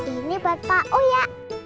ini buat pak uya